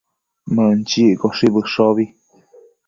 Mënchiccoshi bëshobi